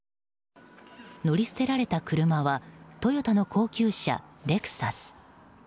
乗り捨てられた車はトヨタの高級車レクサス。